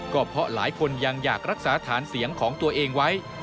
ก็เพราะหลายคนยังอยากรักษาฐานเสียงของตัวเองไว้